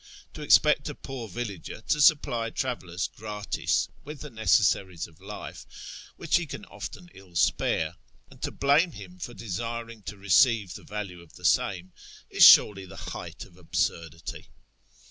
To expect a poor villager to supply travellers gratis with the necessaries of life, W'hicli he can often ill spare, and to blame him for desiring to receive the value of the same, is surely the height of absurdity.